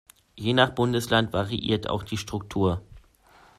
Je nach Bundesland variiert auch die Struktur.